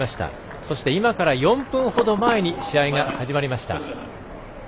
そして今から４分ほど前に試合が始まりました。